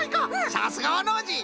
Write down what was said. さすがはノージー！